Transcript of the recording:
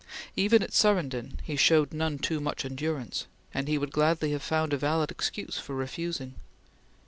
Even at Surrenden he showed none too much endurance, and he would gladly have found a valid excuse for refusing.